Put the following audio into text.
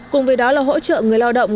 cùng với đó là hỗ trợ người lao động